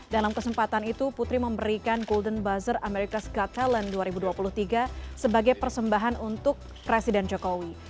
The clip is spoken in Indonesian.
dalam kesempatan itu putri memberikan golden buzzer america s got talent dua ribu dua puluh tiga sebagai persembahan untuk presiden jokowi